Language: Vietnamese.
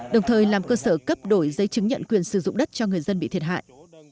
đồng thời làm cơ sở cấp đổi giấy chứng nhận quyền sử dụng đất cho người dân bị thiệt hại